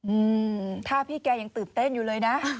อืมถ้าพี่แกยังตื่นเต้นอยู่เลยนะ